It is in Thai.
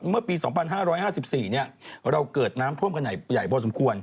เมื่อปี๒๕๕๔เราเกิดน้ำท่วมกันใหญ่พอสมควร